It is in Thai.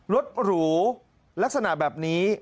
รถหรูลักษณะแบบนี้